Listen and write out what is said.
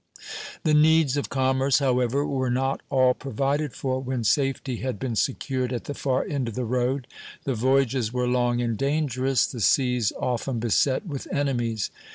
The needs of commerce, however, were not all provided for when safety had been secured at the far end of the road. The voyages were long and dangerous, the seas often beset with enemies.